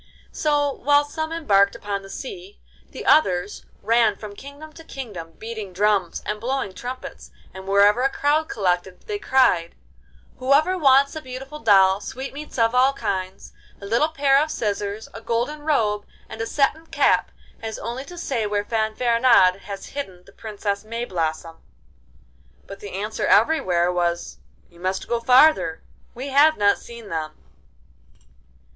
So while some embarked upon the sea, the others ran from kingdom to kingdom beating drums and blowing trumpets, and wherever a crowd collected they cried: 'Whoever wants a beautiful doll, sweetmeats of all kinds, a little pair of scissors, a golden robe, and a satin cap has only to say where Fanfaronade has hidden the Princess Mayblossom.' But the answer everywhere was, 'You must go farther, we have not seen them.